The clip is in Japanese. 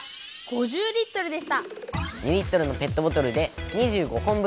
２のペットボトルで２５本分。